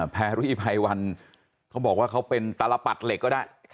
แพรรี่ไพวันเขาบอกว่าเขาเป็นตลปัดเหล็กก็ได้